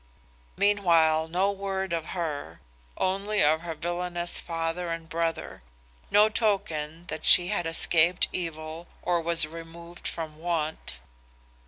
"Meanwhile no word of her, only of her villainous father and brother; no token that she had escaped evil or was removed from want.